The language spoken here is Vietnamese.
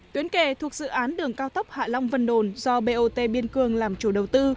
tuyến kè thuộc dự án đường cao tốc hạ long vân đồn do bot biên cương làm chủ đầu tư